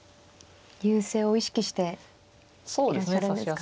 優勢を意識していらっしゃるんですかね。